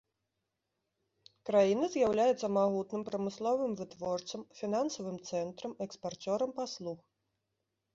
Краіна з'яўляецца магутным прамысловым вытворцам, фінансавым цэнтрам, экспарцёрам паслуг.